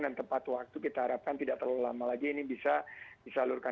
dan tepat waktu kita harapkan tidak terlalu lama lagi ini bisa disalurkan